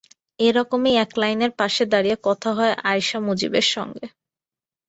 এ রকমই এক লাইনের পাশে দাঁড়িয়ে কথা হয় আয়শা মুজিবের সঙ্গে।